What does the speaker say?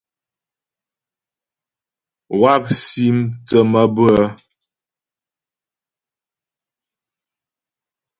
Wáp si mthə́ mabʉə́ə.